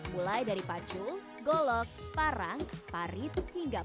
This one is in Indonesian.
mulai dari pacul golok parang parit hingga pedak